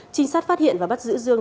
trinh sát phát hiện và bắt giữ dương